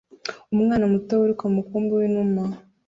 Umwana muto wiruka mu mukumbi w'inuma